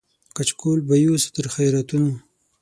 کچکول به یوسو تر خیراتونو